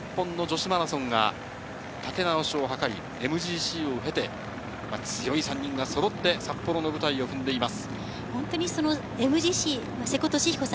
そこからまた日本の女子マラソンが立て直しを図り、ＭＧＣを経て、強い３人がそろって札幌の舞台を踏んでいます。